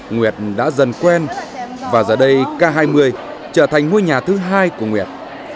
nguyệt đã dần quen và giờ đây k hai mươi trở thành ngôi nhà thứ hai của nguyệt